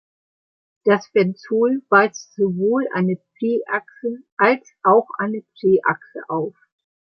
Das Benzol weist sowohl eine C-Achse als auch eine C-Achse auf.